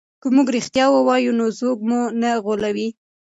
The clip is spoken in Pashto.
که موږ رښتیا ووایو نو څوک مو نه غولوي.